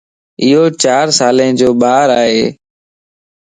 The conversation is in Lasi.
ايو چار سالين جو ٻار ائي